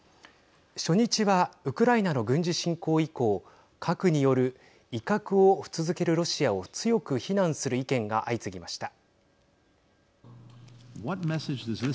初日はウクライナの軍事侵攻以降核による威嚇を続けるロシアを強く非難する意見が相次ぎました。